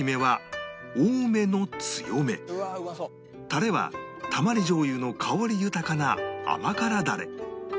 タレはたまりじょう油の香り豊かな甘辛ダレ